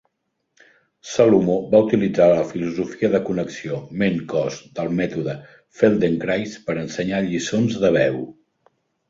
Salomó va utilitzar la filosofia de connexió ment-cos del mètode Feldenkrais per ensenyar lliçons de veu.